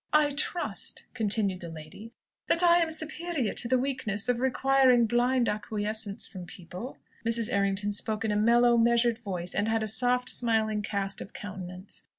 "I trust," continued the lady, "that I am superior to the weakness of requiring blind acquiescence from people." Mrs. Errington spoke in a mellow, measured voice, and had a soft smiling cast of countenance.